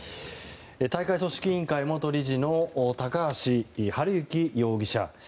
大会組織委員会元理事の高橋治之容疑者。